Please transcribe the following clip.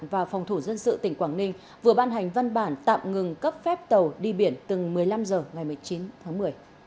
và phòng thủ dân sự tỉnh quảng ninh vừa ban hành văn bản tạm ngừng cấp phép tàu đi biển từng một mươi năm h ngày một mươi chín tháng một mươi